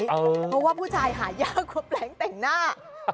เพราะว่าผู้ชายหายากกว่าแปลงแต่งหน้า